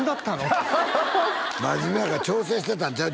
って真面目やから調整してたんちゃう？